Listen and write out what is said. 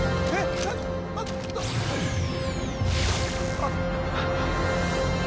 あっ。